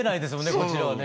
こちらはね。